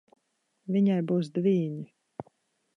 Viņai būs dvīņi.